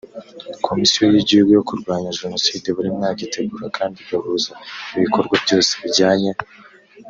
komisiyo y igihugu yo kurwanya jenoside buri mwaka itegura kandi igahuza ibikorwa byose bijyanye